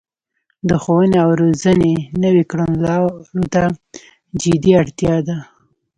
د ښوونې او روزنې نويو کړنلارو ته جدي اړتیا ده